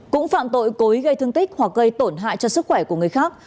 cũng phạm tội cố ý gây thương tích hoặc gây tổn hại cho sức khỏe của người khác